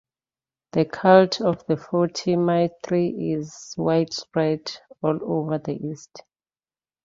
The cult of the Forty Martyrs is widespread all over the East.